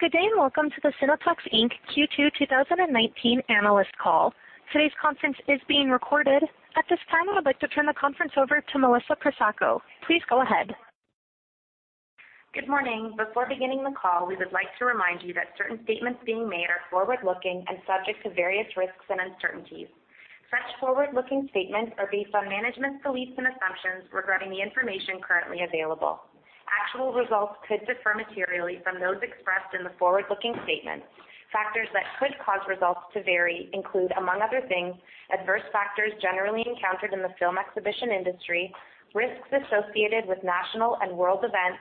Good day, welcome to the Cineplex Inc. Q2 2019 analyst call. Today's conference is being recorded. At this time, I would like to turn the conference over to Melissa Crisaco. Please go ahead. Good morning. Before beginning the call, we would like to remind you that certain statements being made are forward-looking and subject to various risks and uncertainties. Such forward-looking statements are based on management's beliefs and assumptions regarding the information currently available. Actual results could differ materially from those expressed in the forward-looking statements. Factors that could cause results to vary include, among other things, adverse factors generally encountered in the film exhibition industry, risks associated with national and world events,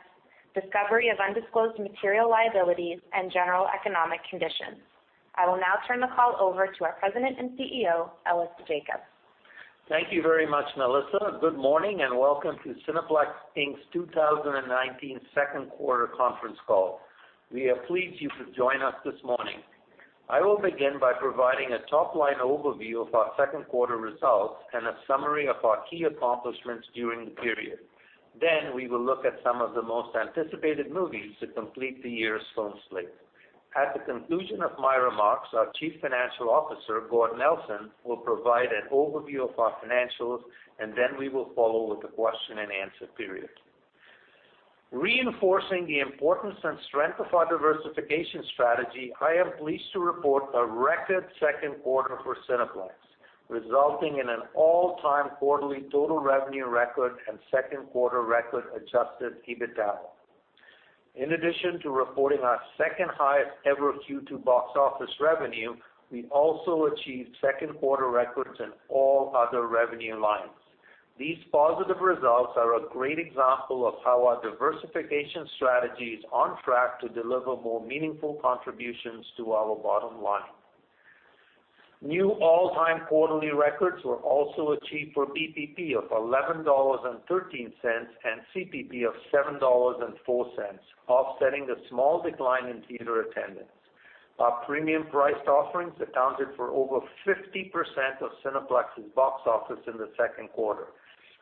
discovery of undisclosed material liabilities, and general economic conditions. I will now turn the call over to our President and CEO, Ellis Jacob. Thank you very much, Melissa. Good morning, welcome to Cineplex Inc.'s 2019 second quarter conference call. We are pleased you could join us this morning. I will begin by providing a top-line overview of our second quarter results and a summary of our key accomplishments during the period. We will look at some of the most anticipated movies to complete the year's film slate. At the conclusion of my remarks, our Chief Financial Officer, Gord Nelson, will provide an overview of our financials, then we will follow with the question and answer period. Reinforcing the importance and strength of our diversification strategy, I am pleased to report a record second quarter for Cineplex, resulting in an all-time quarterly total revenue record and second quarter record Adjusted EBITDA. In addition to reporting our second-highest-ever Q2 box office revenue, we also achieved second-quarter records in all other revenue lines. These positive results are a great example of how our diversification strategy is on track to deliver more meaningful contributions to our bottom line. New all-time quarterly records were also achieved for BPP of 11.13 dollars and CPP of 7.04 dollars, offsetting a small decline in theater attendance. Our premium-priced offerings accounted for over 50% of Cineplex's box office in the second quarter,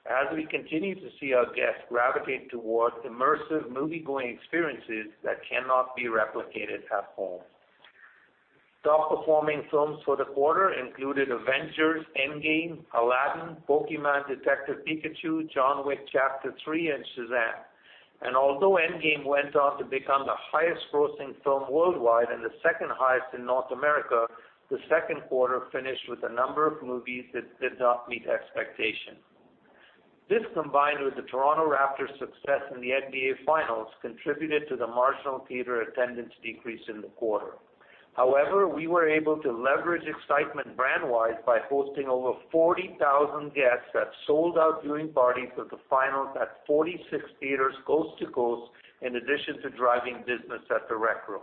as we continue to see our guests gravitate toward immersive movie-going experiences that cannot be replicated at home. Top-performing films for the quarter included "Avengers: Endgame," "Aladdin," "Pokémon Detective Pikachu," "John Wick: Chapter 3," and "Suzanne." Although "Endgame" went on to become the highest-grossing film worldwide and the second highest in North America, the second quarter finished with a number of movies that did not meet expectations. This, combined with the Toronto Raptors' success in the NBA finals, contributed to the marginal theater attendance decrease in the quarter. We were able to leverage excitement brand-wide by hosting over 40,000 guests at sold-out viewing parties for the finals at 46 theaters coast to coast, in addition to driving business at The Rec Room.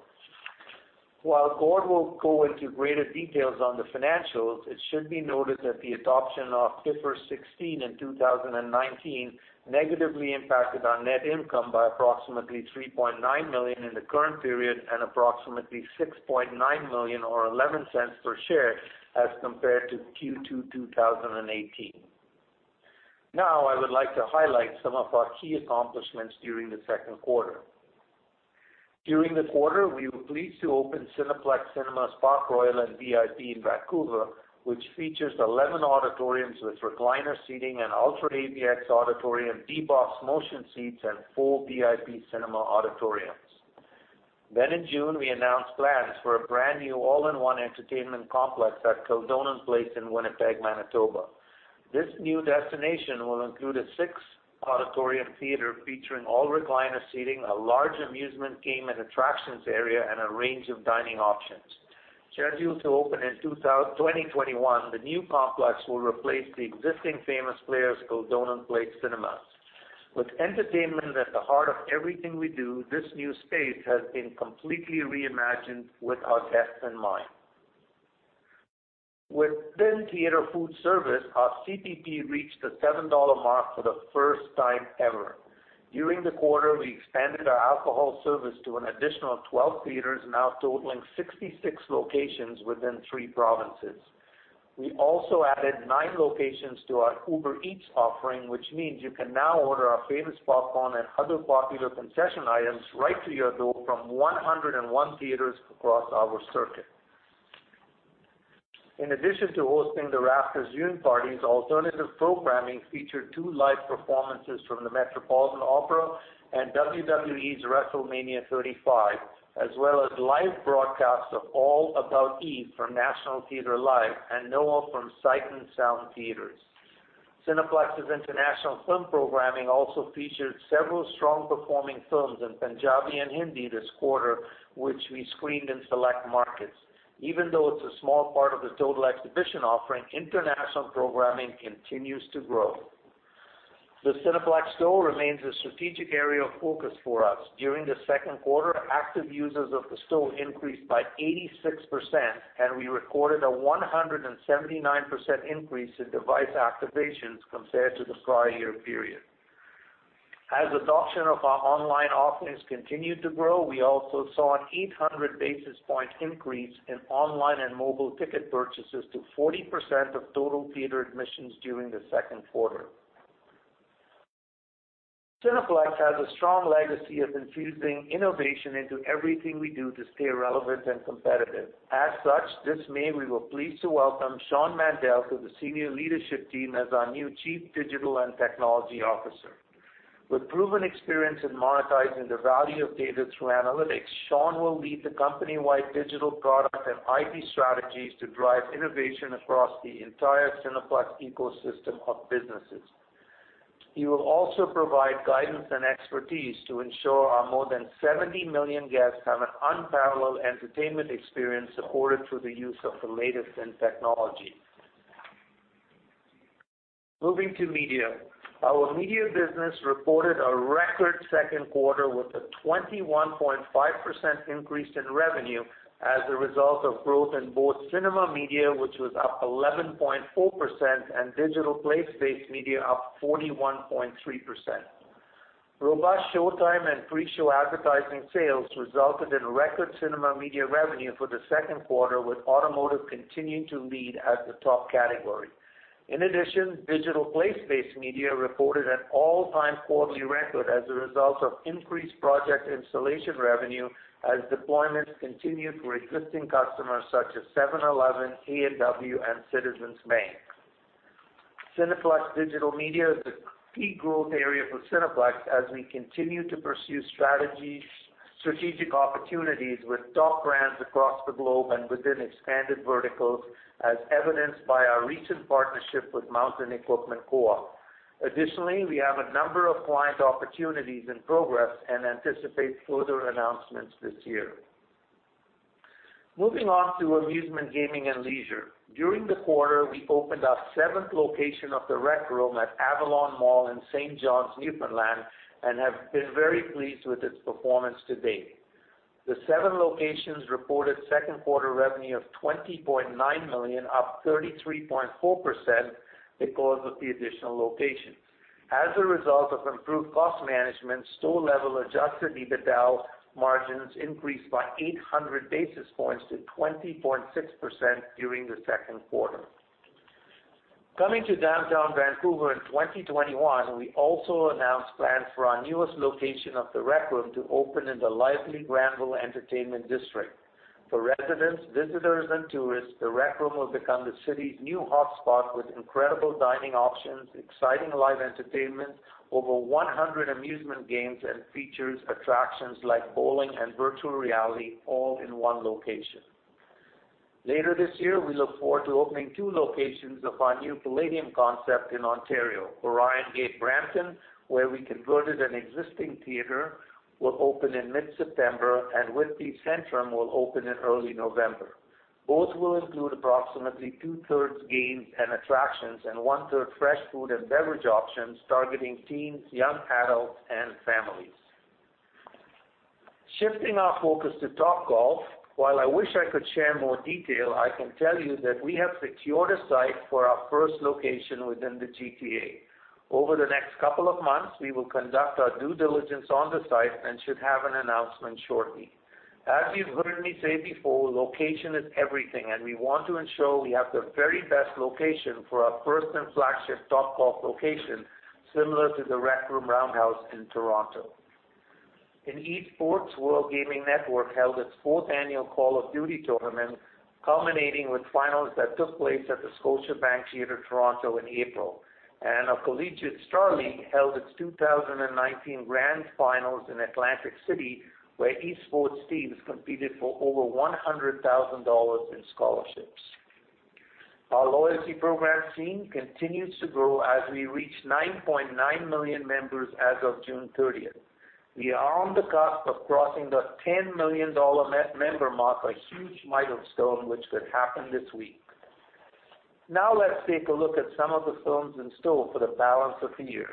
While Gord will go into greater details on the financials, it should be noted that the adoption of IFRS 16 in 2019 negatively impacted our net income by approximately 3.9 million in the current period and approximately 6.9 million or 0.11 per share as compared to Q2 2018. I would like to highlight some of our key accomplishments during the second quarter. During the quarter, we were pleased to open Cineplex Cinema's Park Royal and VIP in Vancouver, which features 11 auditoriums with recliner seating, an UltraAVX auditorium, D-BOX motion seats, and four VIP cinema auditoriums. In June, we announced plans for a brand-new all-in-one entertainment complex at Kildonan Place in Winnipeg, Manitoba. This new destination will include a six-auditorium theater featuring all recliner seating, a large amusement game and attractions area, and a range of dining options. Scheduled to open in 2021, the new complex will replace the existing Famous Players Kildonan Place Cinemas. With entertainment at the heart of everything we do, this new space has been completely reimagined with our guests in mind. Within theater food service, our CPP reached the 7 dollar mark for the first time ever. During the quarter, we expanded our alcohol service to an additional 12 theaters, now totaling 66 locations within three provinces. We also added nine locations to our Uber Eats offering, which means you can now order our famous popcorn and other popular concession items right to your door from 101 theaters across our circuit. In addition to hosting the Raptors' viewing parties, alternative programming featured two live performances from the Metropolitan Opera and WWE's WrestleMania 35, as well as live broadcasts of "All About Eve" from National Theatre Live and "NOAH" from Sight & Sound Theatres. Cineplex's international film programming also featured several strong-performing films in Punjabi and Hindi this quarter, which we screened in select markets. Even though it's a small part of the total exhibition offering, international programming continues to grow. The Cineplex Store remains a strategic area of focus for us. During the second quarter, active users of the Cineplex Store increased by 86%, and we recorded a 179% increase in device activations compared to the prior year period. As adoption of our online offerings continued to grow, we also saw an 800-basis-point increase in online and mobile ticket purchases to 40% of total theater admissions during the second quarter. Cineplex has a strong legacy of infusing innovation into everything we do to stay relevant and competitive. This May, we were pleased to welcome Shawn Mandel to the senior leadership team as our new Chief Digital and Technology Officer. With proven experience in monetizing the value of data through analytics, Shawn will lead the company-wide digital product and IT strategies to drive innovation across the entire Cineplex ecosystem of businesses. He will also provide guidance and expertise to ensure our more than 70 million guests have an unparalleled entertainment experience supported through the use of the latest in technology. Moving to media. Our media business reported a record second quarter with a 21.5% increase in revenue as a result of growth in both cinema media, which was up 11.4%, and digital place-based media up 41.3%. Robust showtime and pre-show advertising sales resulted in record cinema media revenue for the second quarter, with automotive continuing to lead as the top category. In addition, digital place-based media reported an all-time quarterly record as a result of increased project installation revenue as deployments continued for existing customers such as 7-Eleven, A&W, and Citizens Bank. Cineplex Digital Media is a key growth area for Cineplex as we continue to pursue strategic opportunities with top brands across the globe and within expanded verticals, as evidenced by our recent partnership with Mountain Equipment Co-op. Additionally, we have a number of client opportunities in progress and anticipate further announcements this year. Moving on to amusement, gaming, and leisure. During the quarter, we opened our seventh location of The Rec Room at Avalon Mall in St. John's, Newfoundland, and have been very pleased with its performance to date. The seven locations reported second-quarter revenue of 20.9 million, up 33.4% because of the additional locations. As a result of improved cost management, store-level Adjusted EBITDA margins increased by 800 basis points to 20.6% during the second quarter. Coming to downtown Vancouver in 2021, we also announced plans for our newest location of The Rec Room to open in the lively Granville Entertainment District. For residents, visitors, and tourists, The Rec Room will become the city's new hotspot with incredible dining options, exciting live entertainment, over 100 amusement games, and features attractions like bowling and virtual reality all in one location. Later this year, we look forward to opening two locations of our new Playdium concept in Ontario. Orion Gate Brampton, where we converted an existing theater, will open in mid-September, and Whitby Centrum will open in early November. Both will include approximately two-thirds games and attractions and one-third fresh food and beverage options targeting teens, young adults, and families. Shifting our focus to Topgolf, while I wish I could share more detail, I can tell you that we have secured a site for our first location within the GTA. Over the next couple of months, we will conduct our due diligence on the site and should have an announcement shortly. As you've heard me say before, location is everything, and we want to ensure we have the very best location for our first and flagship Topgolf location, similar to The Rec Room Roundhouse in Toronto. In esports, WorldGaming held its fourth annual Call of Duty tournament, culminating with finals that took place at the Scotiabank Theatre Toronto in April. Our Collegiate StarLeague held its 2019 grand finals in Atlantic City, where esports teams competed for over 100,000 dollars in scholarships. Our loyalty program Scene+ continues to grow as we reach 9.9 million members as of June 30th. We are on the cusp of crossing the 10 million-member mark, a huge milestone, which could happen this week. Now let's take a look at some of the films in store for the balance of the year.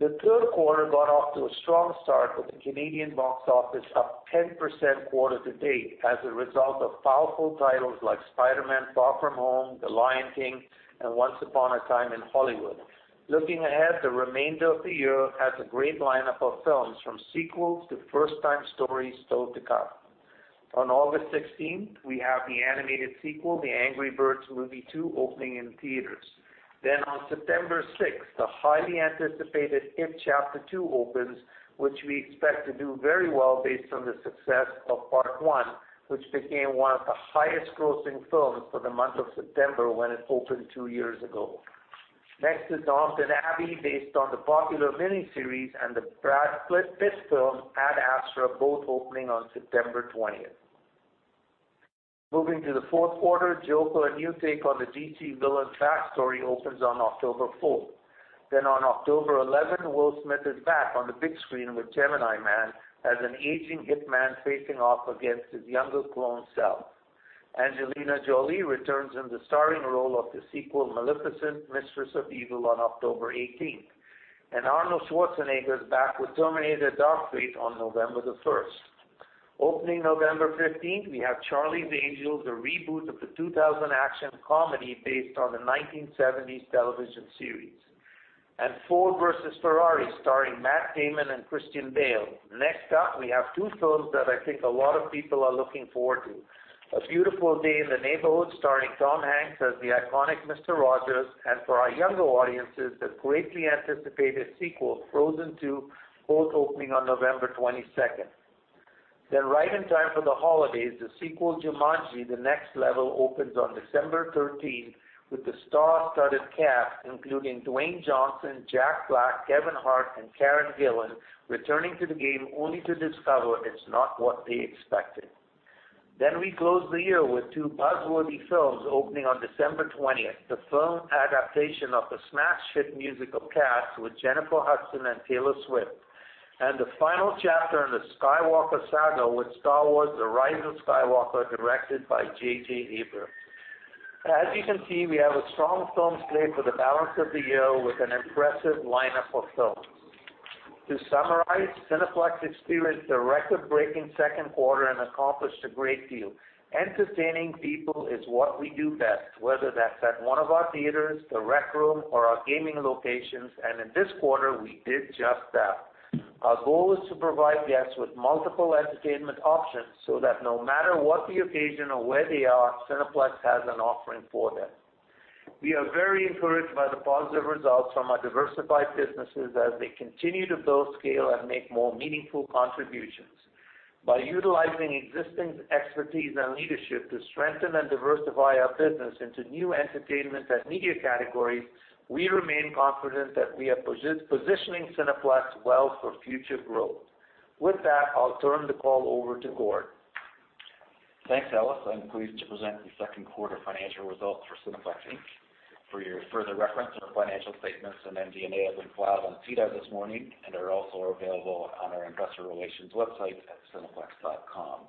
The third quarter got off to a strong start with the Canadian box office up 10% quarter to date as a result of powerful titles like "Spider-Man: Far From Home," "The Lion King," and "Once Upon a Time in Hollywood." Looking ahead, the remainder of the year has a great lineup of films from sequels to first-time stories still to come. On August 16th, we have the animated sequel, "The Angry Birds Movie 2," opening in theaters. On September 6th, the highly anticipated "It Chapter 2" opens, which we expect to do very well based on the success of part one, which became one of the highest-grossing films for the month of September when it opened two years ago. Next is "Downton Abbey," based on the popular miniseries, and the Brad Pitt film, "Ad Astra," both opening on September 20th. Moving to the fourth quarter, "Joker", a new take on the DC villain's backstory, opens on October 4th. On October 11th, Will Smith is back on the big screen with "Gemini Man" as an aging hitman facing off against his younger clone self. Angelina Jolie returns in the starring role of the sequel, "Maleficent: Mistress of Evil" on October 18th. Arnold Schwarzenegger is back with "Terminator: Dark Fate" on November the 1st. Opening November 15th, we have "Charlie's Angels", a reboot of the 2000 action comedy based on the 1970s television series, and "Ford v Ferrari" starring Matt Damon and Christian Bale. Next up, we have two films that I think a lot of people are looking forward to. A Beautiful Day in the Neighborhood" starring Tom Hanks as the iconic Mr. Rogers, and for our younger audiences, the greatly anticipated sequel, "Frozen 2", both opening on November 22nd. Right in time for the holidays, the sequel, "Jumanji: The Next Level," opens on December 13th with the star-studded cast, including Dwayne Johnson, Jack Black, Kevin Hart, and Karen Gillan, returning to the game only to discover it's not what they expected. We close the year with two buzz-worthy films opening on December 20th, the film adaptation of the smash hit musical, "Cats," with Jennifer Hudson and Taylor Swift, and the final chapter in the Skywalker saga with "Star Wars: The Rise of Skywalker," directed by J.J. Abrams. As you can see, we have a strong film slate for the balance of the year with an impressive lineup of films. To summarize, Cineplex experienced a record-breaking second quarter and accomplished a great deal. Entertaining people is what we do best, whether that's at one of our theaters, The Rec Room, or our gaming locations. In this quarter, we did just that. Our goal is to provide guests with multiple entertainment options so that no matter what the occasion or where they are, Cineplex has an offering for them. We are very encouraged by the positive results from our diversified businesses as they continue to build scale and make more meaningful contributions. By utilizing existing expertise and leadership to strengthen and diversify our business into new entertainment and media categories, we remain confident that we are positioning Cineplex well for future growth. With that, I'll turn the call over to Gord. Thanks, Ellis. I'm pleased to present the second quarter financial results for Cineplex Inc. For your further reference, our financial statements and MD&A have been filed on SEDAR this morning and are also available on our investor relations website at cineplex.com.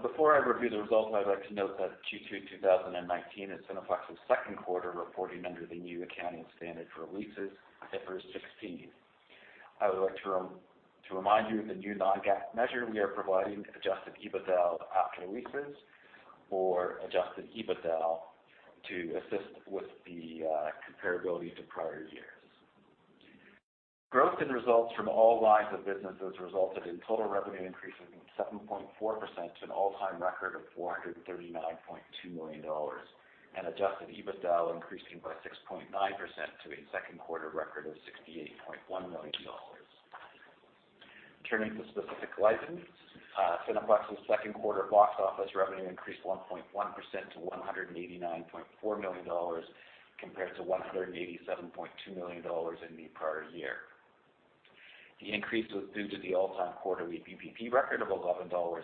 Before I review the results, I'd like to note that Q2 2019 is Cineplex's second quarter reporting under the new accounting standard for leases, IFRS 16. I would like to remind you of the new non-GAAP measure we are providing, adjusted EBITDA after leases or adjusted EBITDA to assist with the comparability to prior years. Growth in results from all lines of businesses resulted in total revenue increasing 7.4% to an all-time record of 439.2 million dollars and adjusted EBITDA increasing by 6.9% to a second quarter record of 68.1 million dollars. Turning to specific licenses, Cineplex's second quarter box office revenue increased 1.1% to 189.4 million dollars compared to 187.2 million dollars in the prior year. The increase was due to the all-time quarterly BPP record of 11.13 dollars,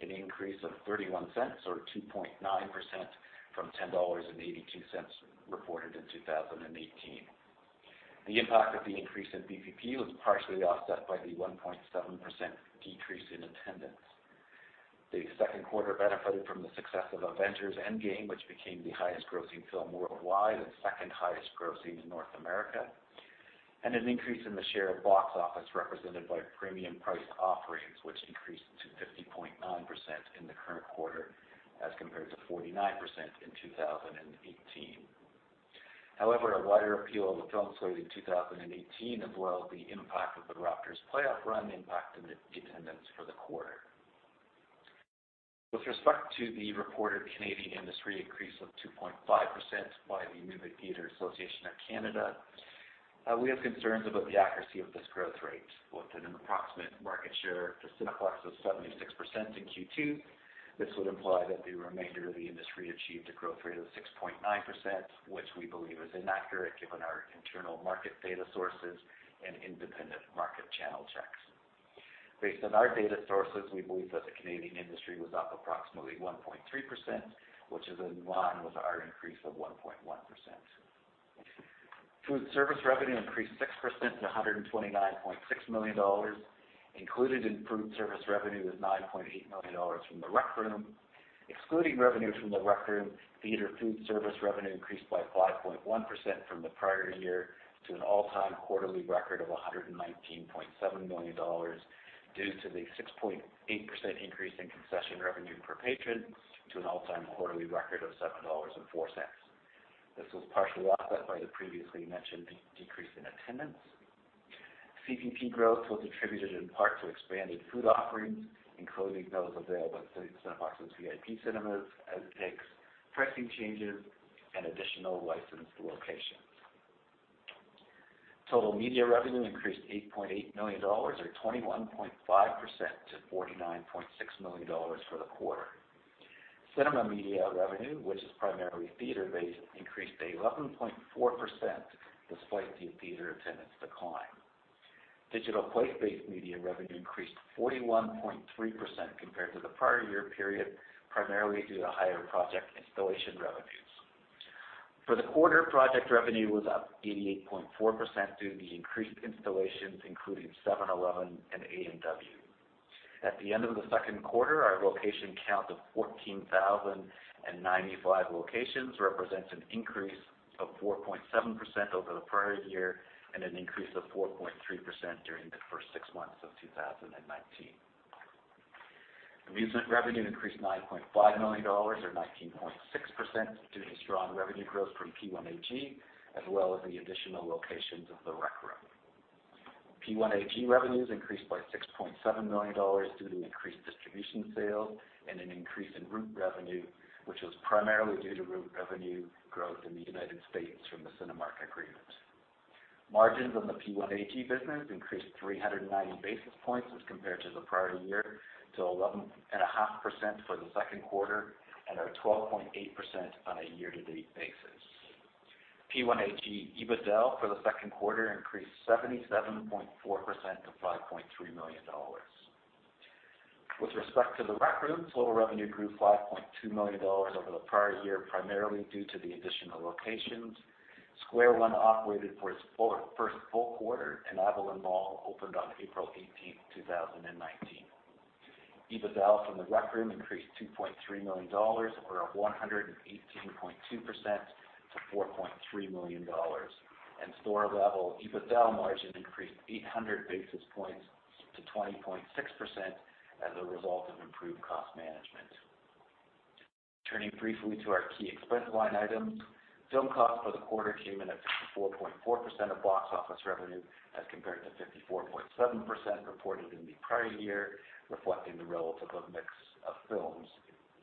an increase of 0.31 or 2.9% from 10.82 dollars reported in 2018. The impact of the increase in BPP was partially offset by the 1.7% decrease in attendance. The second quarter benefited from the success of "Avengers: Endgame," which became the highest-grossing film worldwide and second highest-grossing in North America, and an increase in the share of box office represented by premium price offerings, which increased to 50.9% in the current quarter as compared to 49% in 2018. A wider appeal of the films played in 2018, as well as the impact of the Raptors' playoff run, impacted attendance for the quarter. With respect to the reported Canadian industry increase of 2.5% by the Movie Theatre Association of Canada, we have concerns about the accuracy of this growth rate. With an approximate market share for Cineplex of 76% in Q2, this would imply that the remainder of the industry achieved a growth rate of 6.9%, which we believe is inaccurate given our internal market data sources and independent market channel checks. Based on our data sources, we believe that the Canadian industry was up approximately 1.3%, which is in line with our increase of 1.1%. Food service revenue increased 6% to 129.6 million dollars. Included in food service revenue is 9.8 million dollars from The Rec Room. Excluding revenue from The Rec Room, theater food service revenue increased by 5.1% from the prior year to an all-time quarterly record of 119.7 million dollars due to the 6.8% increase in concession revenue per patron to an all-time quarterly record of 7.04 dollars. This was partially offset by the previously mentioned decrease in attendance. CPP growth was attributed in part to expanded food offerings, including those available at Cineplex VIP Cinemas as it takes pricing changes and additional licensed locations. Total media revenue increased 8.8 million dollars or 21.5% to 49.6 million dollars for the quarter. Cinema media revenue, which is primarily theater-based, increased 11.4% despite the theater attendance decline. Digital place-based media revenue increased 41.3% compared to the prior year period, primarily due to higher project installation revenues. For the quarter, project revenue was up 88.4% due to the increased installations, including 7-Eleven and A&W. At the end of the second quarter, our location count of 14,095 locations represents an increase of 4.7% over the prior year and an increase of 4.3% during the first six months of 2019. Amusement revenue increased 9.5 million dollars or 19.6% due to strong revenue growth from P1AG as well as the additional locations of The Rec Room. P1AG revenues increased by 6.7 million dollars due to increased distribution sales and an increase in route revenue, which was primarily due to route revenue growth in the U.S. from the Cinemark agreement. Margins on the P1AG business increased 390 basis points as compared to the prior year to 11.5% for the second quarter and are 12.8% on a year-to-date basis. P1AG EBITDA for the second quarter increased 77.4% to 5.3 million dollars. With respect to The Rec Room, total revenue grew 5.2 million dollars over the prior year, primarily due to the additional locations. Square One operated for its first full quarter, and Avalon Mall opened on April 18th, 2019. EBITDA from The Rec Room increased 2.3 million dollars or 118.2% to 4.3 million dollars. Store-level EBITDA margin increased 800 basis points to 20.6% as a result of improved cost management. Turning briefly to our key expense line items. Film cost for the quarter came in at 54.4% of box office revenue as compared to 54.7% reported in the prior year, reflecting the relative mix of films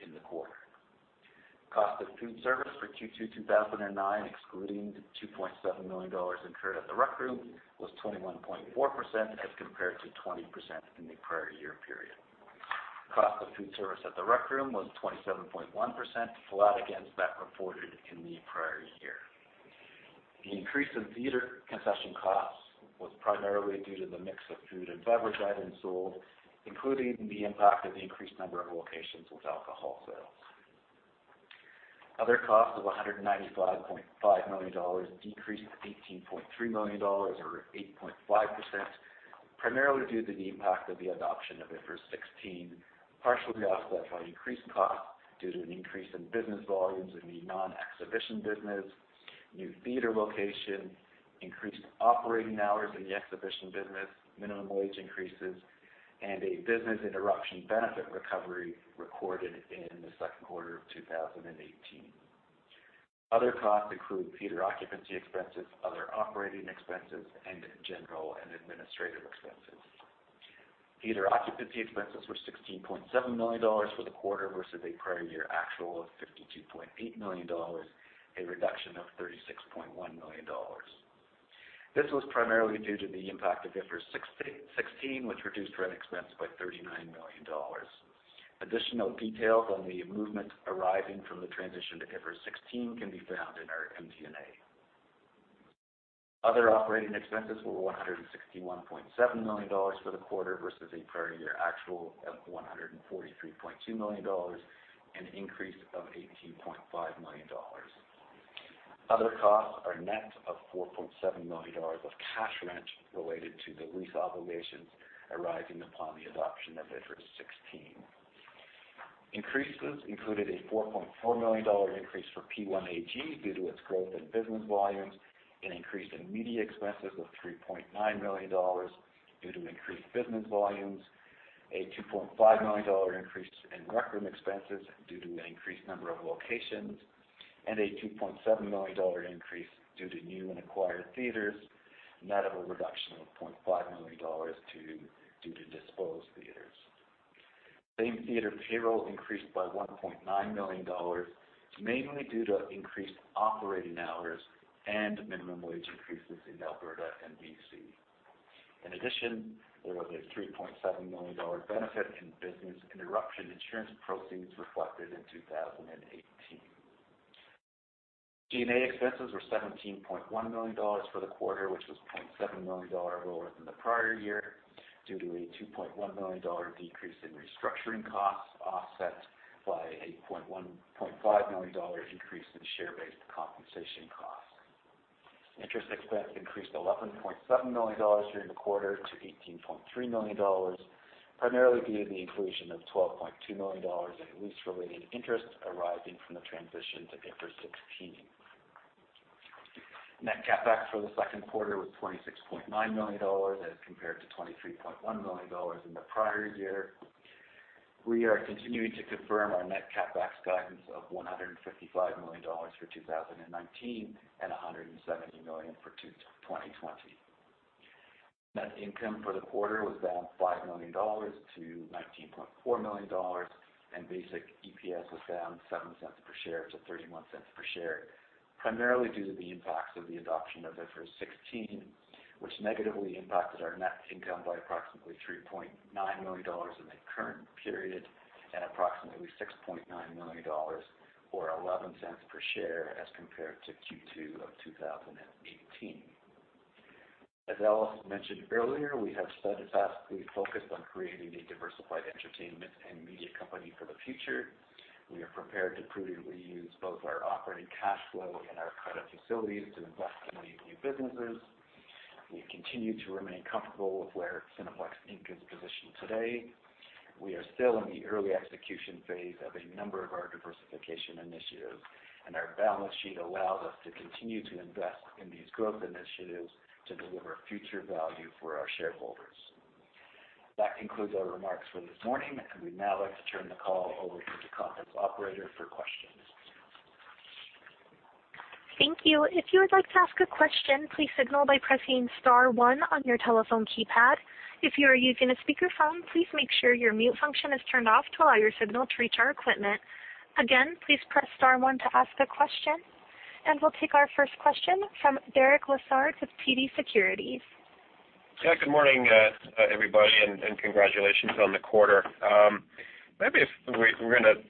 in the quarter. Cost of food service for Q2 2019, excluding the 2.7 million dollars incurred at The Rec Room, was 21.4% as compared to 20% in the prior year period. Cost of food service at The Rec Room was 27.1%, flat against that reported in the prior year. The increase in theater concession costs was primarily due to the mix of food and beverage items sold, including the impact of the increased number of locations with alcohol sales. Other costs of 195.5 million dollars decreased to 18.3 million dollars or 8.5%, primarily due to the impact of the adoption of IFRS 16, partially offset by increased costs due to an increase in business volumes in the non-exhibition business, new theater locations, increased operating hours in the exhibition business, minimum wage increases, and a business interruption benefit recovery recorded in the second quarter of 2018. Other costs include theater occupancy expenses, other operating expenses, and general and administrative expenses. Theater occupancy expenses were 16.7 million dollars for the quarter versus a prior year actual of 52.8 million dollars, a reduction of 36.1 million dollars. This was primarily due to the impact of IFRS 16, which reduced rent expense by 39 million dollars. Additional details on the movement arising from the transition to IFRS 16 can be found in our MD&A. Other operating expenses were 161.7 million dollars for the quarter versus a prior year actual of 143.2 million dollars, an increase of 18.5 million dollars. Other costs are net of 4.7 million dollars of cash rent related to the lease obligations arising upon the adoption of IFRS 16. Increases included a 4.4 million dollar increase for P1AG due to its growth in business volumes, an increase in media expenses of 3.9 million dollars due to increased business volumes, a 2.5 million dollar increase in Rec Room expenses due to an increased number of locations, and a 2.7 million dollar increase due to new and acquired theaters, net of a reduction of 0.5 million dollars due to disposed theaters. Same-theater payroll increased by 1.9 million dollars, mainly due to increased operating hours and minimum wage increases in Alberta and BC. In addition, there was a 3.7 million dollar benefit in business interruption insurance proceeds reflected in 2018. G&A expenses were 17.1 million dollars for the quarter, which was 0.7 million dollars lower than the prior year due to a 2.1 million dollar decrease in restructuring costs offset by a 0.5 million dollars increase in share-based compensation costs. Interest expense increased 11.7 million dollars during the quarter to 18.3 million dollars, primarily due to the inclusion of 12.2 million dollars in lease-related interest arising from the transition to IFRS 16. Net CapEx for the second quarter was 26.9 million dollars as compared to 23.1 million dollars in the prior year. We are continuing to confirm our net CapEx guidance of 155 million dollars for 2019 and 170 million for 2020. Net income for the quarter was down 5 million dollars to 19.4 million dollars, and basic EPS was down 0.07 per share to 0.31 per share, primarily due to the impacts of the adoption of IFRS 16, which negatively impacted our net income by approximately 3.9 million dollars in the current period and approximately 6.9 million dollars or 0.11 per share as compared to Q2 of 2018. As Ellis mentioned earlier, we have steadfastly focused on creating a diversified entertainment and media company for the future. We are prepared to prudently use both our operating cash flow and our credit facilities to invest in these new businesses. We continue to remain comfortable with where Cineplex Inc. is positioned today. We are still in the early execution phase of a number of our diversification initiatives, and our balance sheet allows us to continue to invest in these growth initiatives to deliver future value for our shareholders. That concludes our remarks for this morning, and we'd now like to turn the call over to the conference operator for questions. Thank you. If you would like to ask a question, please signal by pressing *1 on your telephone keypad. If you are using a speakerphone, please make sure your mute function is turned off to allow your signal to reach our equipment. Again, please press *1 to ask a question, we'll take our first question from Derek Lessard with TD Securities. Yeah. Good morning, everybody, and congratulations on the quarter. Maybe if we're going to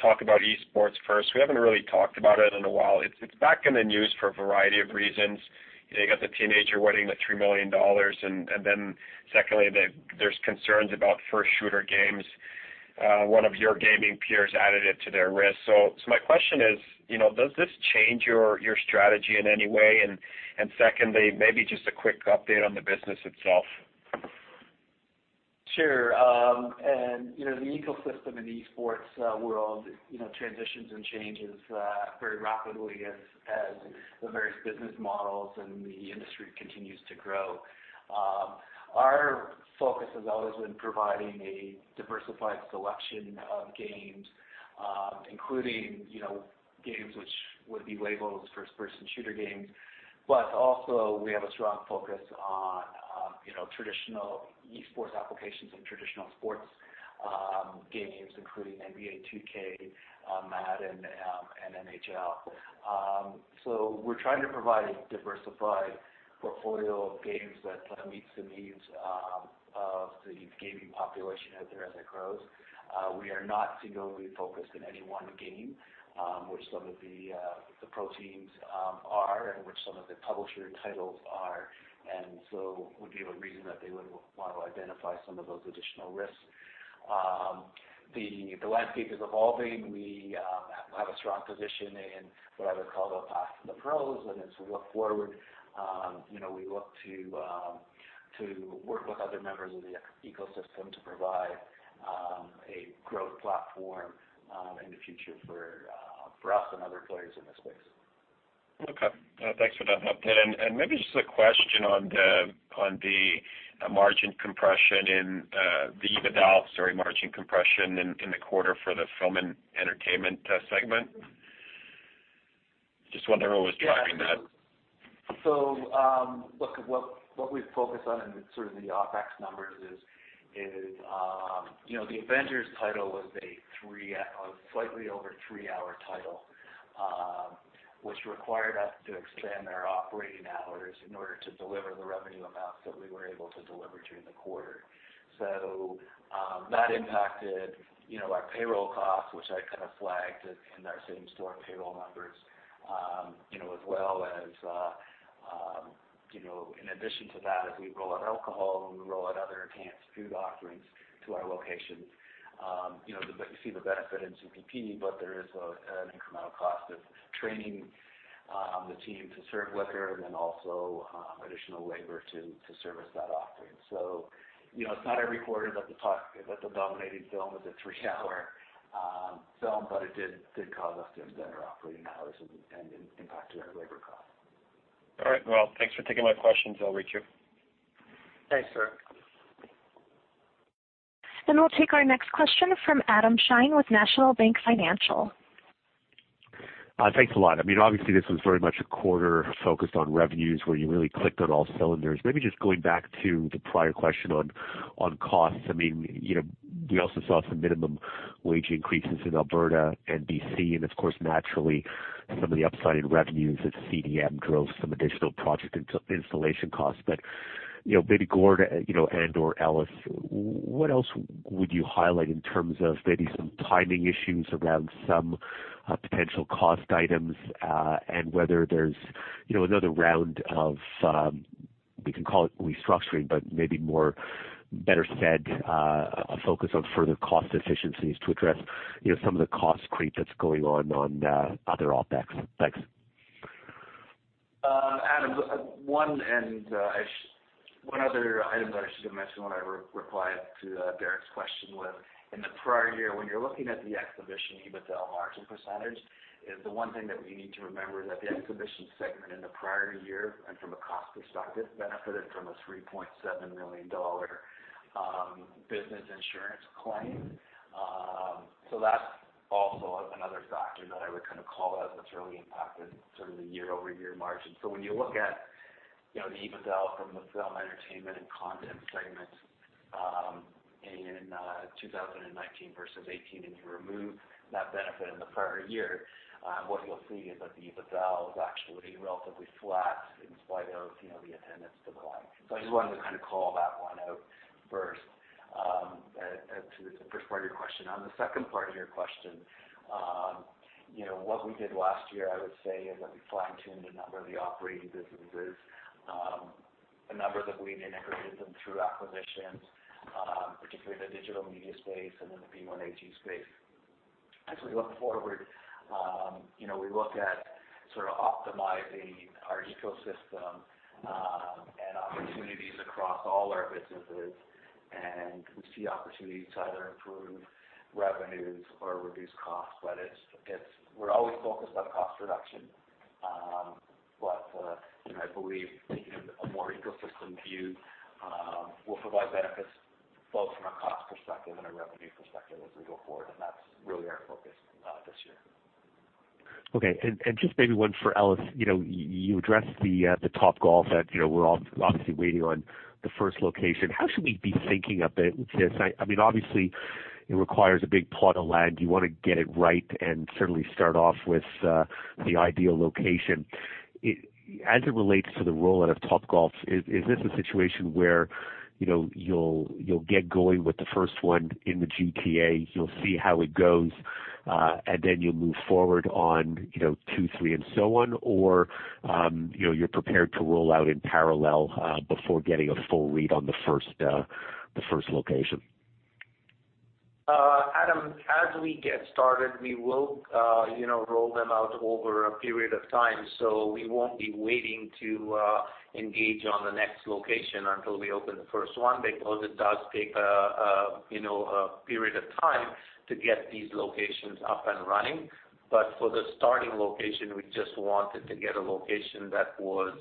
talk about esports first. We haven't really talked about it in a while. It's back in the news for a variety of reasons. You got the teenager winning the 3 million dollars. Then secondly, there's concerns about first-shooter games. One of your gaming peers added it to their risk. My question is, does this change your strategy in any way? Secondly, maybe just a quick update on the business itself. Sure. The eSports world transitions and changes very rapidly as the various business models and the industry continues to grow. Our focus has always been providing a diversified selection of games, including games which would be labeled first-person shooter games. Also we have a strong focus on traditional eSports applications and traditional sports games, including NBA 2K, Madden, and NHL. We're trying to provide a diversified portfolio of games that meets the needs of the gaming population out there as it grows. We are not singularly focused on any one game, which some of the pro teams are, and which some of the publisher titles are, and so would be a reason that they would want to identify some of those additional risks. The landscape is evolving. We have a strong position in what I would call the path to the pros, and as we look forward we look to work with other members of the ecosystem to provide a growth platform in the future for us and other players in this space. Okay. Thanks for that update. Maybe just a question on the margin compression in the quarter for the film and entertainment segment. Just wondering what was driving that. Look, what we've focused on in sort of the OpEx numbers is the Avengers title was a slightly over three-hour title, which required us to expand our operating hours in order to deliver the revenue amounts that we were able to deliver during the quarter. That impacted our payroll costs, which I kind of flagged in our same-store payroll numbers. As well as, in addition to that, as we roll out alcohol and we roll out other enhanced food offerings to our locations we see the benefit in CPP, there is an incremental cost of training the team to serve liquor and then also additional labor to service that offering. It's not every quarter that the dominating film is a three-hour film, it did cause us to extend our operating hours and impact our labor cost. All right. Well, thanks for taking my questions, over to you. Thanks, sir. We'll take our next question from Adam Shine with National Bank Financial. Thanks a lot. Obviously, this was very much a quarter focused on revenues where you really clicked on all cylinders. Just going back to the prior question on costs. We also saw some minimum wage increases in Alberta and B.C. Of course, naturally, some of the upside in revenues at CDM drove some additional project installation costs. Gord and/or Ellis, what else would you highlight in terms of maybe some timing issues around some potential cost items, and whether there's another round of, we can call it restructuring, but maybe more better said, a focus on further cost efficiencies to address some of the cost creep that's going on other OpEx? Thanks. Adam, one other item that I should have mentioned when I replied to Derek's question was, in the prior year, when you're looking at the exhibition EBITDA margin percentage, is the one thing that we need to remember is that the exhibition segment in the prior year, and from a cost perspective, benefited from a 3.7 million dollar business insurance claim. That's also another factor that I would kind of call out that's really impacted sort of the year-over-year margin. When you look at the EBITDA from the film entertainment and content segment in 2019 versus 2018, and you remove that benefit in the prior year, what you'll see is that the EBITDA was actually relatively flat in spite of the attendance decline. I just wanted to kind of call that one out first to the first part of your question. On the second part of your question, what we did last year, I would say, is that we fine-tuned a number of the operating businesses, a number that we've integrated them through acquisitions, particularly in the Digital Media space and in the P1AG space. As we look forward we look at sort of optimizing our ecosystem and opportunities across all our businesses, and we see opportunities to either improve revenues or reduce costs. We're always focused on cost reduction. I believe taking a more ecosystem view will provide benefits both from a cost perspective and a revenue perspective as we go forward, and that's really our focus this year. Okay. Just maybe one for Ellis. You addressed the Topgolf that we're obviously waiting on the first location. How should we be thinking a bit to this? Obviously, it requires a big plot of land. You want to get it right, certainly start off with the ideal location. As it relates to the rollout of Topgolf, is this a situation where you'll get going with the first one in the GTA, you'll see how it goes, then you'll move forward on two, three, and so on? You're prepared to roll out in parallel before getting a full read on the first location? Adam, as we get started, we will roll them out over a period of time. We won't be waiting to engage on the next location until we open the first one, because it does take a period of time to get these locations up and running. For the starting location, we just wanted to get a location that was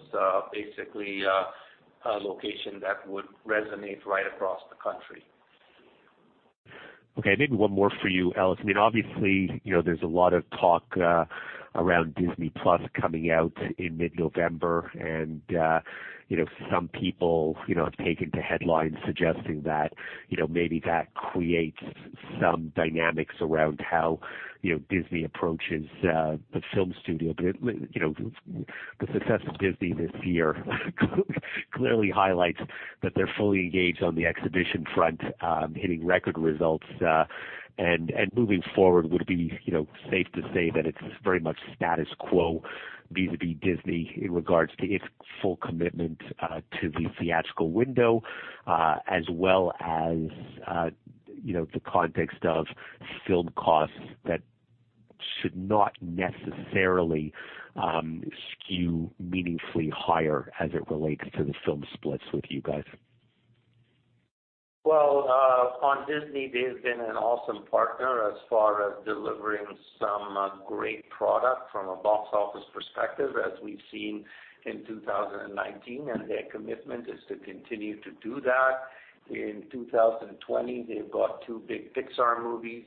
basically a location that would resonate right across the country. Okay. Maybe one more for you, Ellis. There's a lot of talk around Disney+ coming out in mid-November, and some people have taken to headlines suggesting that maybe that creates some dynamics around how Disney approaches the film studio. The success of Disney this year clearly highlights that they're fully engaged on the exhibition front, hitting record results. Moving forward, would it be safe to say that it's very much status quo vis-a-vis Disney in regards to its full commitment to the theatrical window, as well as the context of film costs that should not necessarily skew meaningfully higher as it relates to the film splits with you guys? On Disney, they've been an awesome partner as far as delivering some great product from a box office perspective, as we've seen in 2019. Their commitment is to continue to do that. In 2020, they've got two big Pixar movies,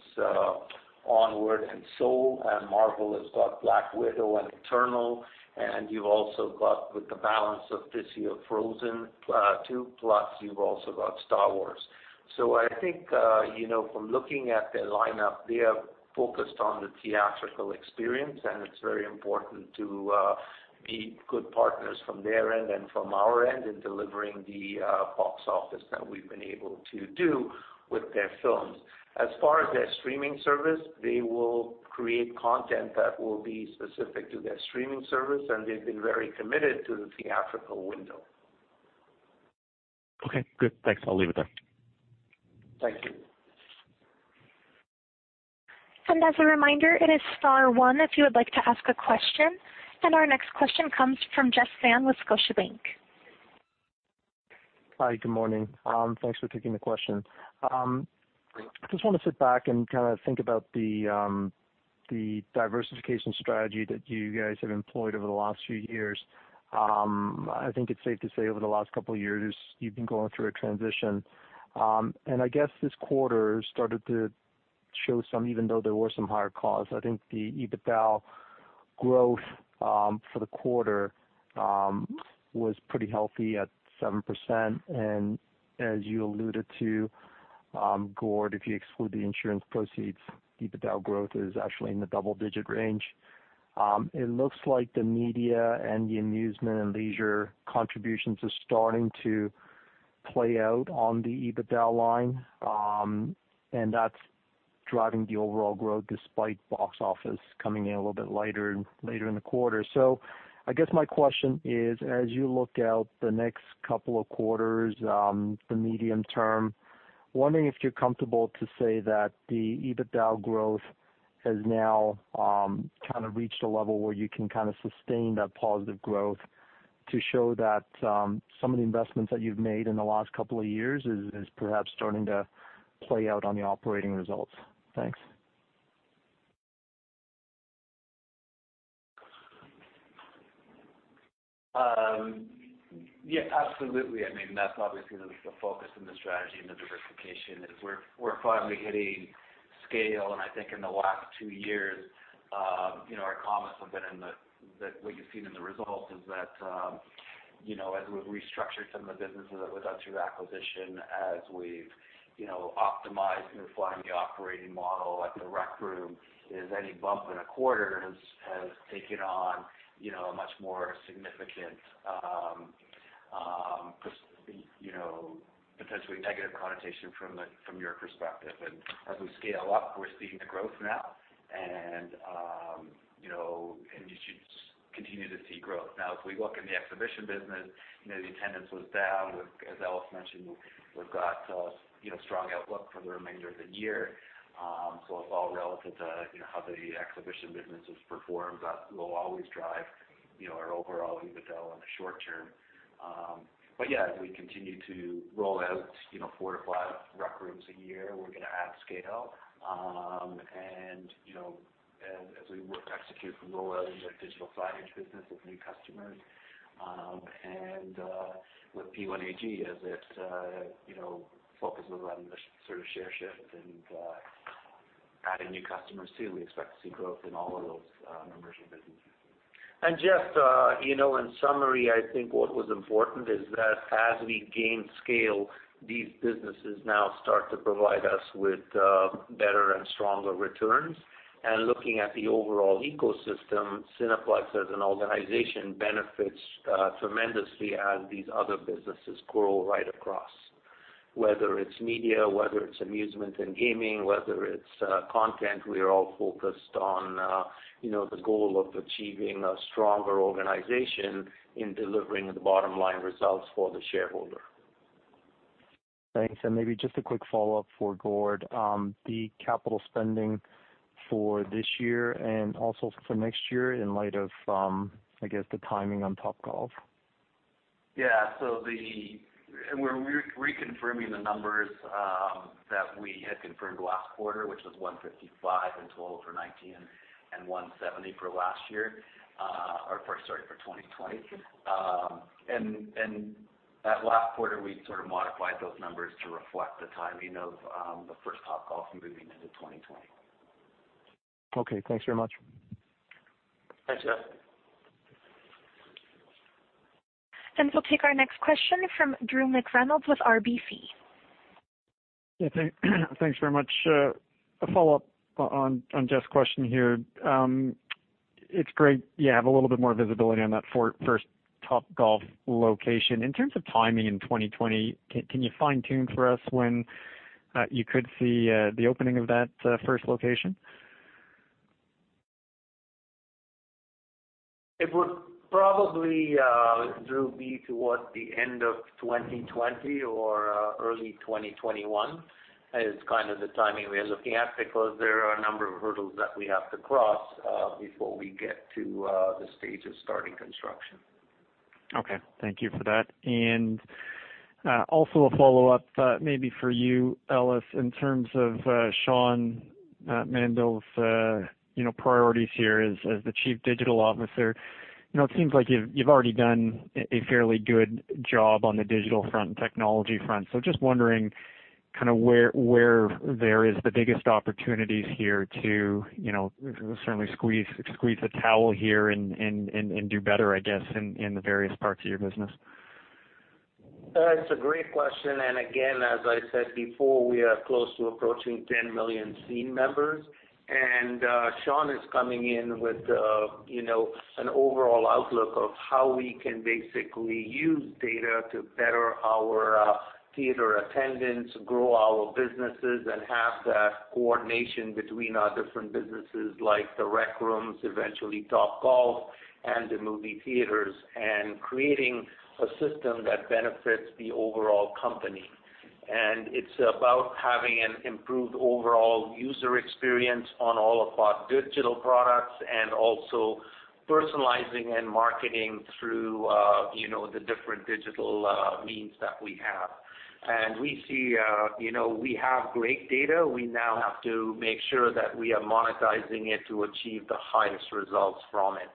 "Onward" and "Soul," and Marvel has got "Black Widow" and "Eternals." You've also got, with the balance of this year, "Frozen 2," plus you've also got "Star Wars." I think from looking at their lineup, they are focused on the theatrical experience, and it's very important to be good partners from their end and from our end in delivering the box office that we've been able to do with their films. As far as their streaming service, they will create content that will be specific to their streaming service, and they've been very committed to the theatrical window. Okay, good. Thanks. I'll leave it there. Thank you. As a reminder, it is star one if you would like to ask a question. Our next question comes from Jeff Fan with Scotiabank. Hi. Good morning. Thanks for taking the question. Great. I just want to sit back and think about the diversification strategy that you guys have employed over the last few years. I think it's safe to say over the last couple of years, you've been going through a transition. I guess this quarter started to show some, even though there were some higher costs, I think the EBITDA growth for the quarter was pretty healthy at 7%. As you alluded to, Gord, if you exclude the insurance proceeds, EBITDA growth is actually in the double-digit range. It looks like the media and the amusement and leisure contributions are starting to play out on the EBITDA line, and that's driving the overall growth despite box office coming in a little bit later in the quarter. I guess my question is, as you look out the next couple of quarters, the medium term, wondering if you're comfortable to say that the EBITDA growth has now reached a level where you can sustain that positive growth to show that some of the investments that you've made in the last couple of years is perhaps starting to play out on the operating results. Thanks. Yeah, absolutely. That's obviously the focus and the strategy and the diversification is we're finally hitting scale. I think in the last two years, our comments have been in what you've seen in the results is that as we've restructured some of the businesses that we've done through acquisition, as we've optimized and refined the operating model at The Rec Room, is any bump in a quarter has taken on a much more significant potentially negative connotation from your perspective. As we scale up, we're seeing the growth now, and you should continue to see growth. Now, if we look in the exhibition business, the attendance was down. As Ellis mentioned, we've got a strong outlook for the remainder of the year. It's all relative to how the exhibition business has performed. That will always drive our overall EBITDA in the short term. Yeah, as we continue to roll out four to five rec rooms a year, we're going to add scale. As we execute the rollout of the digital signage business with new customers. With P1AG, as it focuses on the sort of share shift and Adding new customers too. We expect to see growth in all of those numbers and businesses. Jeff, in summary, I think what was important is that as we gain scale, these businesses now start to provide us with better and stronger returns. Looking at the overall ecosystem, Cineplex as an organization benefits tremendously as these other businesses grow right across. Whether it's media, whether it's amusement and gaming, whether it's content, we are all focused on the goal of achieving a stronger organization in delivering the bottom-line results for the shareholder. Thanks. Maybe just a quick follow-up for Gord. The capital spending for this year and also for next year in light of, I guess, the timing on Topgolf. Yeah. We're reconfirming the numbers that we had confirmed last quarter, which was 155 million in total for 2019, and 170 million for last year. Sorry, for 2020. That last quarter, we sort of modified those numbers to reflect the timing of the first Topgolf moving into 2020. Okay. Thanks very much. Thanks, Jeff. We'll take our next question from Drew McReynolds with RBC. Yeah. Thanks very much. A follow-up on Jeff's question here. It's great you have a little bit more visibility on that first Topgolf location. In terms of timing in 2020, can you fine-tune for us when you could see the opening of that first location? It would probably, Drew, be towards the end of 2020 or early 2021, is kind of the timing we're looking at, because there are a number of hurdles that we have to cross before we get to the stage of starting construction. Okay. Thank you for that. Also a follow-up maybe for you, Ellis, in terms of Shawn Mandel's priorities here as the Chief Digital Officer. It seems like you've already done a fairly good job on the digital front and technology front. Just wondering where there is the biggest opportunities here to certainly squeeze the towel here and do better, I guess, in the various parts of your business. It's a great question. Again, as I said before, we are close to approaching 10 million Scene members. Shawn is coming in with an overall outlook of how we can basically use data to better our theater attendance, grow our businesses, and have that coordination between our different businesses like The Rec Rooms, eventually Topgolf, and the movie theaters, and creating a system that benefits the overall company. It's about having an improved overall user experience on all of our digital products and also personalizing and marketing through the different digital means that we have. We have great data. We now have to make sure that we are monetizing it to achieve the highest results from it.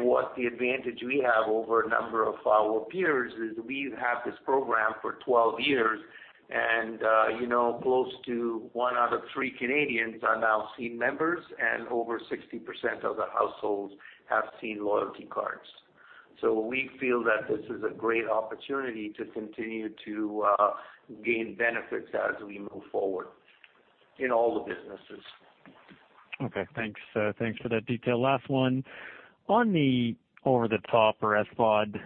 What the advantage we have over a number of our peers is we've had this program for 12 years and close to one out of three Canadians are now Scene members, and over 60% of the households have Scene loyalty cards. We feel that this is a great opportunity to continue to gain benefits as we move forward in all the businesses. Okay, thanks. Thanks for that detail. Last one. On the over-the-top or SVOD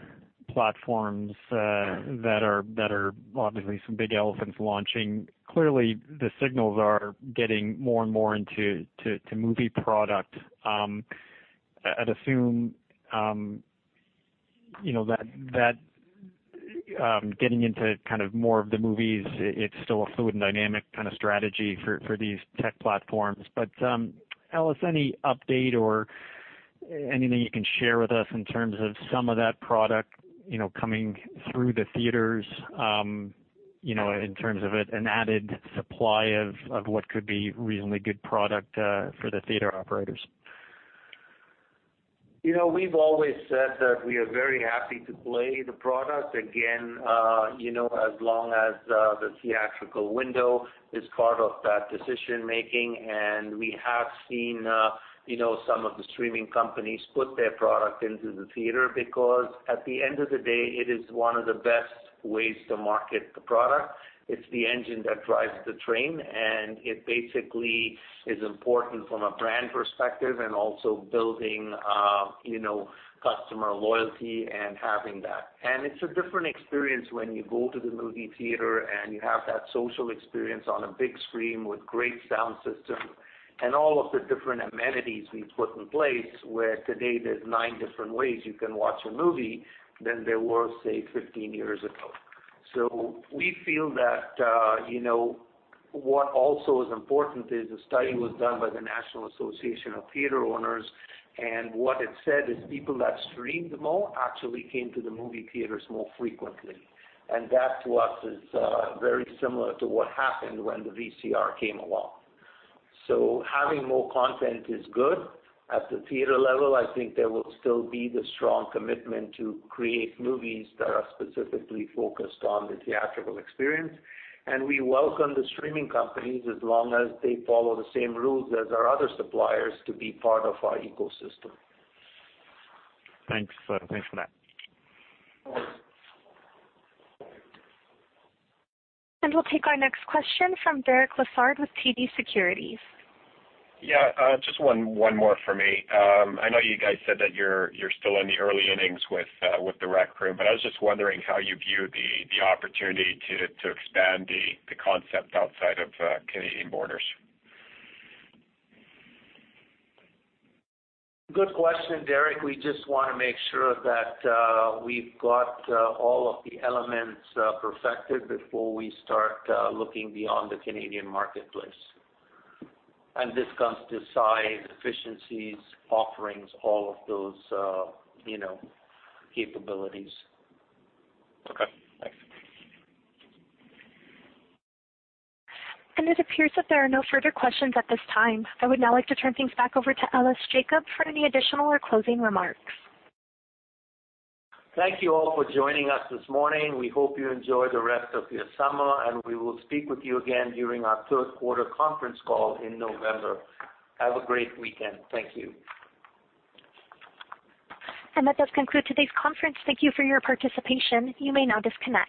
platforms that are obviously some big elephants launching. Clearly the signals are getting more and more into movie product. I'd assume that getting into more of the movies, it's still a fluid and dynamic strategy for these tech platforms. Ellis, any update or anything you can share with us in terms of some of that product coming through the theaters in terms of an added supply of what could be reasonably good product for the theater operators? We've always said that we are very happy to play the product again as long as the theatrical window is part of that decision-making. We have seen some of the streaming companies put their product into the theater because at the end of the day, it is one of the best ways to market the product. It's the engine that drives the train, and it basically is important from a brand perspective and also building customer loyalty and having that. It's a different experience when you go to the movie theater and you have that social experience on a big screen with great sound system and all of the different amenities we put in place, where today there's nine different ways you can watch a movie than there were, say, 15 years ago. We feel that what also is important is a study was done by the National Association of Theatre Owners, and what it said is people that streamed more actually came to the movie theaters more frequently. That to us is very similar to what happened when the VCR came along. Having more content is good. At the theater level, I think there will still be the strong commitment to create movies that are specifically focused on the theatrical experience, and we welcome the streaming companies as long as they follow the same rules as our other suppliers to be part of our ecosystem. Thanks. Thanks for that. Of course. We'll take our next question from Derek Lessard with TD Securities. Yeah. Just one more for me. I know you guys said that you're still in the early innings with The Rec Room, but I was just wondering how you view the opportunity to expand the concept outside of Canadian borders. Good question, Derek. We just want to make sure that we've got all of the elements perfected before we start looking beyond the Canadian marketplace. This comes to size, efficiencies, offerings, all of those capabilities. Okay, thanks. It appears that there are no further questions at this time. I would now like to turn things back over to Ellis Jacob for any additional or closing remarks. Thank you all for joining us this morning. We hope you enjoy the rest of your summer, and we will speak with you again during our third quarter conference call in November. Have a great weekend. Thank you. That does conclude today's conference. Thank you for your participation. You may now disconnect.